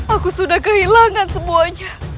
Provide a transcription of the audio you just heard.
aku sudah kehilangan semuanya